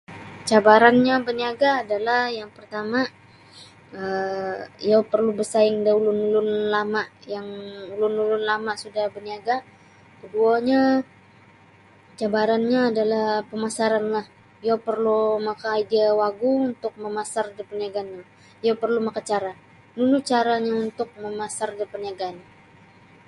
Cabarannyo baniaga' adalah yang partama' um iyo porlu' barsaing da ulun-ulun lama' yang ulun-ulun lama' sudah baniaga' koduonyo cabarannyo adalah pamasaranlah iyo porlu' maka' idea wagu untuk mamasar da parniagaannyo iyo porlu' makacara nunu caranyo' untuk mamasar da parniagaan.